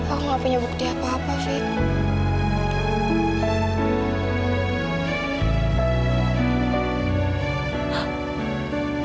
aku nggak punya bukti apa apa fit